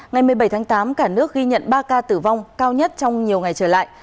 ngày một mươi bảy tháng tám cả nước ghi nhận ba ca tử vong cao nhất trong nhiều ngày trở lại